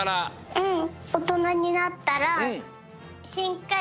うん。